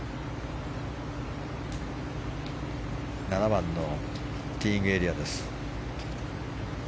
７番のティーイングエリアです。